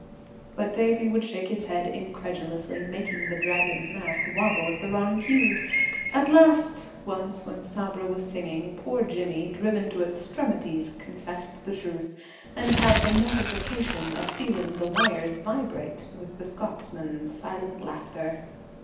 But Davie would shake his head incredulously, making the Dragon's mask wobble at the wrong cues. At last, once when Sabra was singing, poor Jimmy, driven to extremities, confessed the truth, and had the mortification of feeling the wires vibrate with the Scotchman's silent laughter.